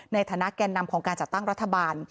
ในฐานะแก่นำของการจัดตั้งรัฐบาล